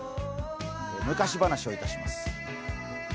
昔話をいたします。